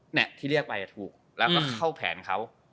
เนี่ยที่เรียกไปถูกแล้วก็เข้าแผนเขา